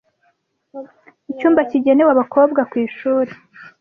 Icyumba kigenewe abakobwa ku ishuri